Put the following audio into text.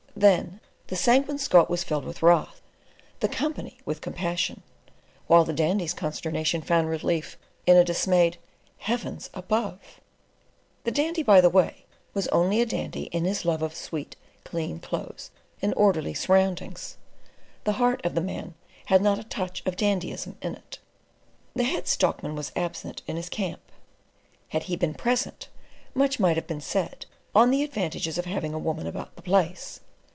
Then the Sanguine Scot was filled with wrath, the Company with compassion, while the Dandy's consternation found relief in a dismayed "Heavens above!" (The Dandy, by the way, was only a dandy in his love of sweet, clean clothes and orderly surroundings. The heart of the man had not a touch of dandyism in it.) The Head Stockman was absent in his camp. Had he been present, much might have been said on the "advantages of having a woman about the place."